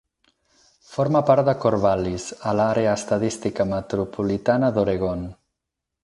Forma part de Corvallis, a l'àrea estadística metropolitana d'Oregon.